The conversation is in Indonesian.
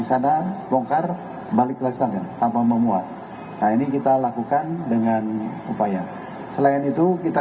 sana bongkar balik ke sana tanpa memuat nah ini kita lakukan dengan upaya selain itu kita